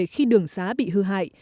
khi đường xá bị hư hại